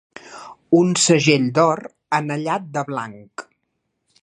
Un segell d'or anellat de blanc.